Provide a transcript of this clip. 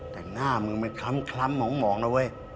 แต่หน้ามึงไม่คล้ำหมองนะเว้ย